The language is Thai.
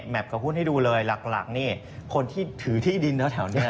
แมปก็พูดให้ดูเลยหลักคนที่ถือที่ดินแล้วแถวนี้